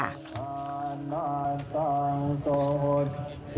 อาวาสวัดหัวรัง